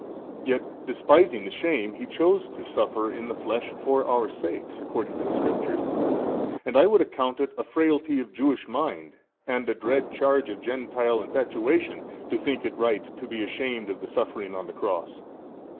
A. Yet despising the shame He chose to suffer in the flesh for our sakes according to the Scriptures: and I would account it a frailty of Jewish mind and a dread charge of Gentile infatuation, to think it right to be ashamed of the suffering on the cross.